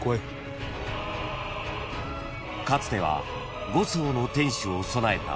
［かつては５層の天守を備えた］